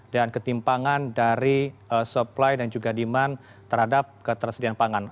dan ketimpangan dari supply dan juga demand terhadap ketersediaan pangan